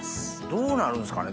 どうなるんですかね？